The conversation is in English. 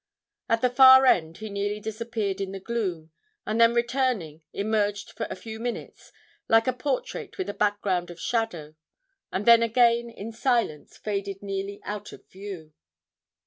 At the far end he nearly disappeared in the gloom, and then returning emerged for a few minutes, like a portrait with a background of shadow, and then again in silence faded nearly out of view.